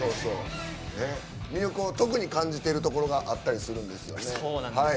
魅力を特に感じてるところがあったりするんですよね。